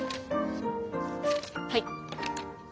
はい。